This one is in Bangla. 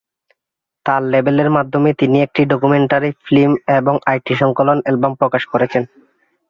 তার লেবেলের মাধ্যমে তিনি একটি ডকুমেন্টারি ফিল্ম এবং আটটি সংকলন অ্যালবাম প্রকাশ করেছেন।